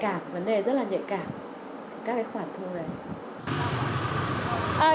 các cái khoản thu này